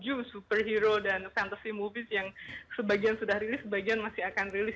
ada tujuh superhero dan fantasy movie yang sebagian sudah rilis sebagian masih akan rilis